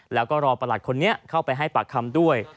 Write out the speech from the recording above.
แล้วก็รอประหลัดคนนี้เข้าไปให้ปากคำด้วย